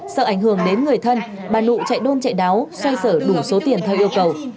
sợ ảnh hưởng đến người thân bà lụ chạy đôn chạy đáo xoay sở đủ số tiền theo yêu cầu